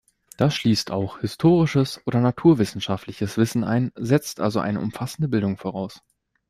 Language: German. Das schließt auch historisches oder naturwissenschaftliches Wissen ein, setzt also eine umfassende Bildung voraus.